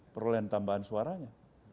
perlengkapan tambahan suaranya